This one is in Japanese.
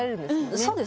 そうです。